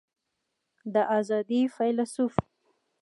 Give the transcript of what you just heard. د آزادۍ فیلیسوف